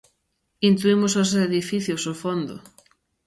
Intuímos os edificios ao fondo.